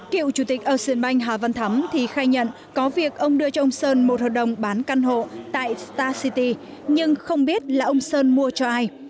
cựu chủ tịch ocean bank hà văn thắm thì khai nhận có việc ông đưa cho ông sơn một hợp đồng bán căn hộ tại start city nhưng không biết là ông sơn mua cho ai